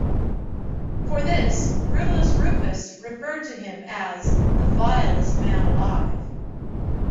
For this, Rutilius Rufus referred to him as "the vilest man alive".